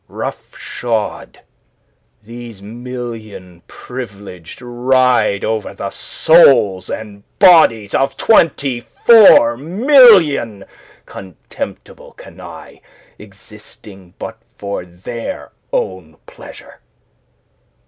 "Rough shod, these million Privileged ride over the souls and bodies of twenty four million contemptible canaille existing but for their own pleasure.